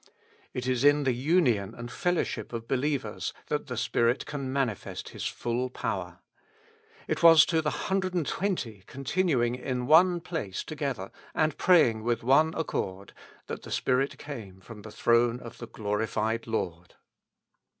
It is in the union and fellowship of be lievers that the Spirit can manifest His full power. It was to the hundred and twenty continuing in one place together, and praying with one accord, that the Spirit came from the throne of the glorified Lord.